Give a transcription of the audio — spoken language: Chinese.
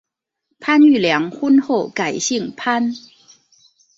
潘玉良婚后改姓潘。